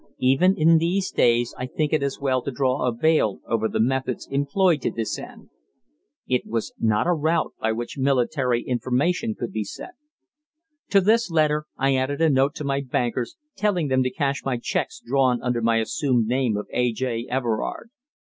Even in these days I think it as well to draw a veil over the methods employed to this end. It was not a route by which military information could be sent. To this letter I added a note to my bankers telling them to cash my cheques drawn under my assumed name of A. J. Everard.